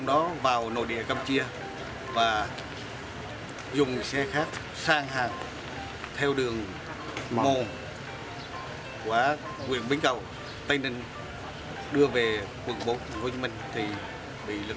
giám sát bắt giữ